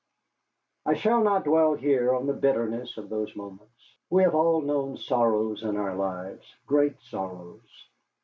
I shall not dwell here on the bitterness of those moments. We have all known sorrows in our lives, great sorrows.